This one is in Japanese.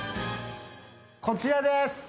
こちらです。